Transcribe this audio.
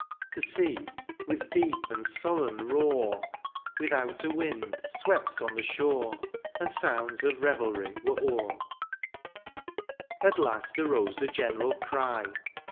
The sea, with deep and sullen roar. Without a wind swept on the shore. And sounds of revelry were o'er. At last arose a general cry.